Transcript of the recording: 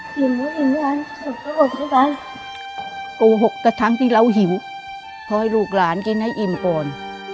กูหกกระทั้งที่เราหิวเพราะให้ลูกหลานกินให้อิ่มก่อน